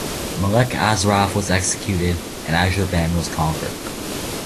Malek Asraf was executed, and Azerbaijan was conquered.